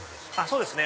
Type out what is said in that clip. そうですね